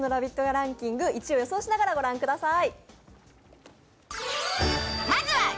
ランキング、１位を予想しながら御覧ください。